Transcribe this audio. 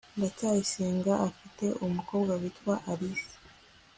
ndacyayisenga afite umukobwa witwa alice